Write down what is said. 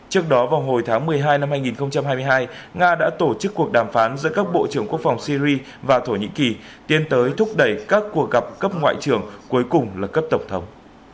trước đó vào hồi tháng một mươi hai năm hai nghìn hai mươi hai nga đã tổ chức cuộc đàm phán giữa các bộ trưởng quốc phòng syri và thổ nhĩ kỳ tiến tới thúc đẩy các cuộc gặp cấp ngoại trưởng cuối cùng là cấp tổng thống